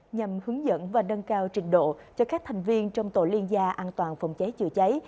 nhằm hướng dẫn và nâng cao trình độ cho các thành viên trong tổ liên gia an toàn phòng cháy chữa cháy